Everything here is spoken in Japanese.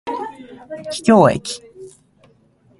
桔梗駅